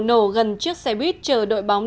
nổ gần chiếc xe buýt chờ đội bóng